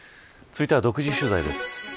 続いては独自取材です。